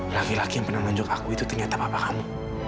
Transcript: laki laki yang pernah menunjuk aku itu ternyata papa kamu